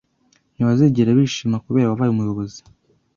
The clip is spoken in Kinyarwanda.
Ntibazigera bishima kubera wabaye umuyobzi